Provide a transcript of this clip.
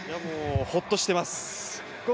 ほっとしています。